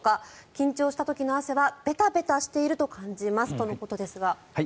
緊張した時の汗はベタベタしていると感じますとのことですが。